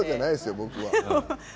僕は。